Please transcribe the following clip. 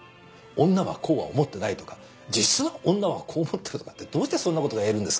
女はこうは思ってないとか実は女はこう思ってるとかってどうしてそんなことが言えるんですか？